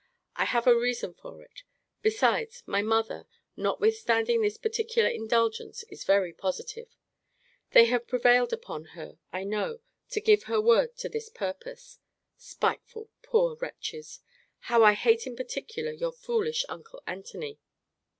I have a reason for it. Besides, my mother, notwithstanding this particular indulgence, is very positive. They have prevailed upon her, I know, to give her word to this purpose Spiteful, poor wretches! How I hate in particular your foolish uncle Antony.